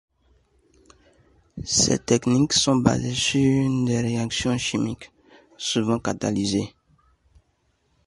Ces techniques sont basées sur des réactions chimiques, souvent catalysées.